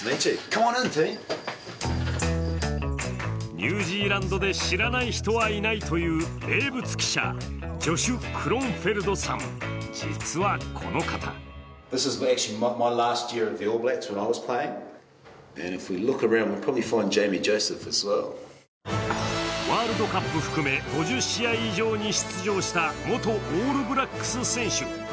ニュージーランドで知らない人はいないという名物記者ジョシュ・クロンフェルドさん、実はこの方ワールドカップ含め、５０試合以上に出場した元オールブラックス選手。